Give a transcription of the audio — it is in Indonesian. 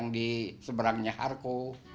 di seberangnya harku